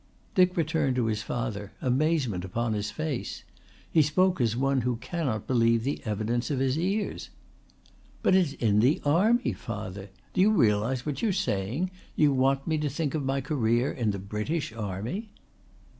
Dick returned to his father, amazement upon his face. He spoke as one who cannot believe the evidence of his ears. "But it's in the army, father! Do you realise what you are saying? You want me to think of my career in the British Army?"